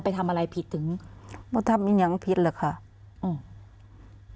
ไปทำอะไรผิดถึงว่าทำอย่างผิดแหละค่ะอืม